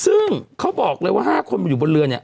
ซึ่งเขาบอกเลยว่า๕คนอยู่บนเรือเนี่ย